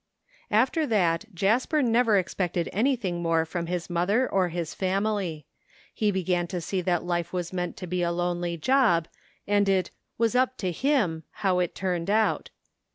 After that Jasper never expected anything more from his mother or his family. He began to see that life was meant to be a lonely job and it " was up to him " how it turned out.